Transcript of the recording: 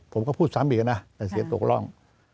ผมก็พูดซ้ำอีกน่ะท่านเสียบตกล่อง